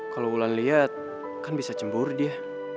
kalo ulan liat kan bisa cemburu dia